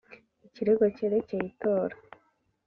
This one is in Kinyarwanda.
ikirego cyerekeye itora